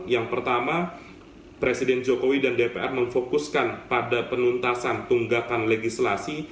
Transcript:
yang pertama presiden jokowi dan dpr memfokuskan pada penuntasan tunggakan legislasi